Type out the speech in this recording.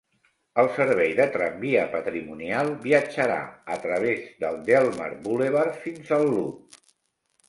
El servei de tramvia patrimonial viatjarà a través del Delmar Boulevard fins al Loop.